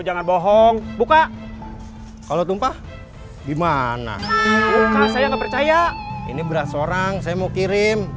jangan bohong buka kalau tumpah gimana kalau saya nggak percaya ini beras orang saya mau kirim